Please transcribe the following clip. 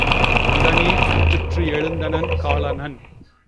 உடனே அச்சுற்று எழுந்தனன் காலன்.